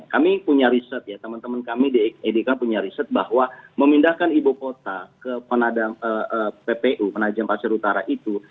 kami punya riset ya teman teman kami di edk punya riset bahwa memindahkan ibu kota ke ppu penajam pasir utara itu